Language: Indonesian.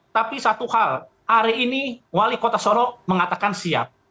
tapi satu hal hari ini wali kota solo mengatakan siap